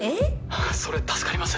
あっそれ助かります。